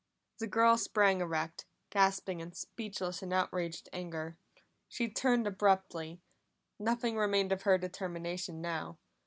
The girl sprang erect, gasping and speechless in outraged anger. She turned abruptly; nothing remained of her determination now.